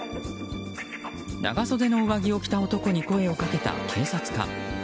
長袖の上着を着た男に声をかけた警察官。